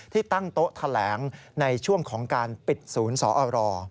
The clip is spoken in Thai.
ที่ตั้งโต๊ะแถลงในช่วงของการปิดศูนย์สอร